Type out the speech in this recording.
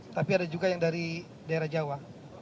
tapi ada juga yang dari daerah jawa